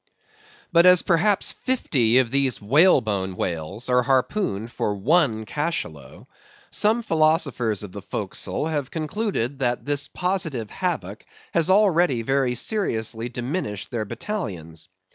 But as perhaps fifty of these whale bone whales are harpooned for one cachalot, some philosophers of the forecastle have concluded that this positive havoc has already very seriously diminished their battalions.